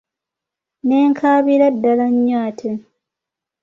Ne nkaabira ddala nnyo ate.